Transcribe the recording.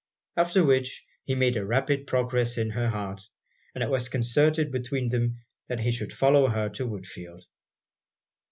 After which, he made a rapid progress in her heart; and it was concerted between them that he should follow her to Woodfield.